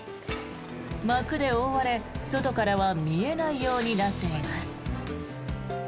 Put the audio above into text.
幕で覆われ、外からは見えないようになっています。